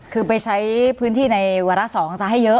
คือไปใช้พื้นที่ในวาระ๒ซะให้เยอะ